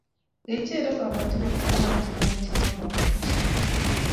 Kicherei kobotik kotiem oratinwek ter chebo kobotisiet